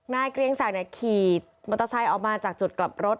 เกรียงศักดิ์ขี่มอเตอร์ไซค์ออกมาจากจุดกลับรถ